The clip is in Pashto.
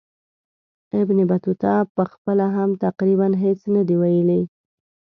ابن بطوطه پخپله هم تقریبا هیڅ نه دي ویلي.